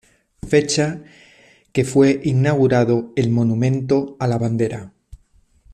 Fecha que fue inaugurado el Monumento a la Bandera.